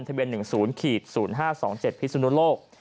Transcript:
ที่เป็น๑๐๐๕๒๗พิสุนโลก